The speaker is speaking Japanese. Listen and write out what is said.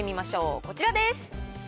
こちらです。